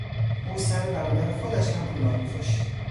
او سر برادر خودش هم کلاه گذاشت.